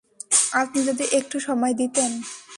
আপনি যদি একটু সময় দিতেন।